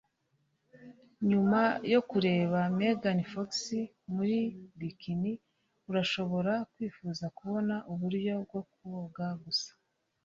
Nyuma yo kureba Megan Fox muri bikini, urashobora kwifuza kubona uburyo bwo koga busa.